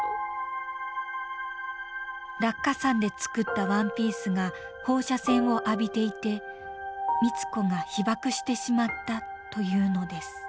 落下傘で作ったワンピースが放射線を浴びていて光子が被爆してしまったと言うのです。